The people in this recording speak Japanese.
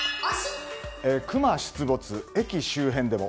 クマ出没、駅周辺でも。